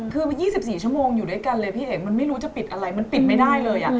คือ๒๔ชั่วโมงอยู่ด้วยกันเลยพี่เอกมันไม่รู้จะปิดอะไรมันปิดไม่ได้เลย